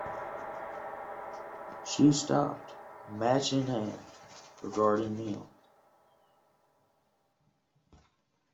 She stopped, match in hand, regarding him.